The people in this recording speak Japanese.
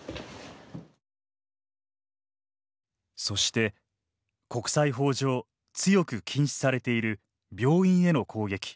そして国際法上強く禁止されている病院への攻撃。